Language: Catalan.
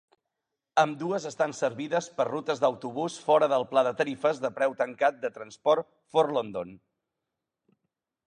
Ambdues estan servides per rutes d'autobús fora del pla de tarifes de preu tancat de Transport for London.